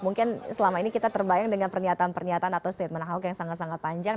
mungkin selama ini kita terbayang dengan pernyataan pernyataan atau statement ahok yang sangat sangat panjang